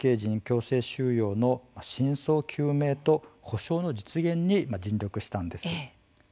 強制収容の真相究明と補償の実現に尽力したんです。